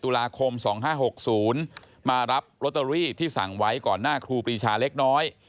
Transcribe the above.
ธุระโคมสองห้าหกศูนย์มารับลอตเตอรี่ที่สั่งไว้ก่อนหน้าครูปีชาเล็กน้อย